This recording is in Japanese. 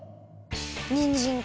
にんじんか。